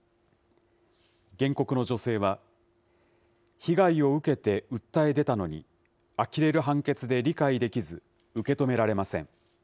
原告の女性は、被害を受けて訴え出たのに、あきれる判決で理解できず、受け止められません。